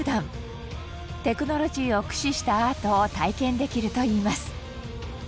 テクノロジーを駆使したアートを体験できるといいます。